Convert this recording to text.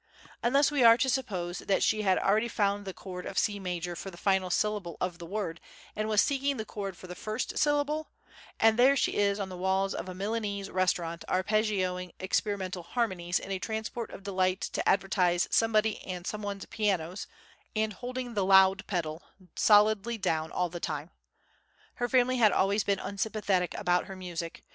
Unless we are to suppose that she had already found the chord of C Major for the final syllable of the word and was seeking the chord for the first syllable; and there she is on the walls of a Milanese restaurant arpeggioing experimental harmonies in a transport of delight to advertise Somebody and Someone's pianos and holding the loud pedal solidly down all the time. Her family had always been unsympathetic about her music.